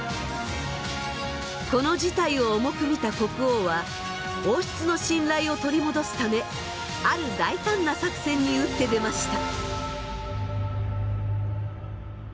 この事態を重く見た国王は王室の信頼を取り戻すためある大胆な作戦に打って出ました。